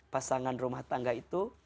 pasangan rumah tangga itu